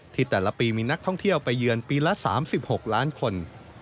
ที่แต่ละปีมีนักท่องเที่ยวไปเยือนปีละ๓๖ล้านคน